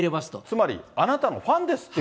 つまり、あなたのファンですって。